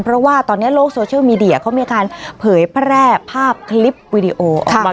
เพราะว่าตอนนี้โลกโซเชียลมีเดียเขามีการเผยแพร่ภาพคลิปวิดีโอออกมา